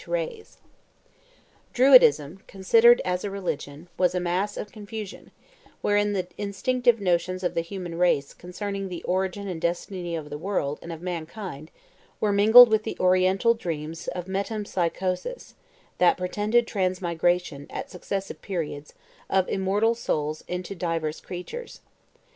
[Illustration: Christianity established in Gaul 111] Druidism, considered as a religion, was a mass of confusion, wherein the instinctive notions of the human race concerning the origin and destiny of the world and of mankind were mingled with the Oriental dreams of metempsychosis that pretended transmigration, at successive periods, of immortal souls into divers creatures.